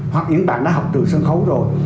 hoặc những bạn đã học trường sân khấu rồi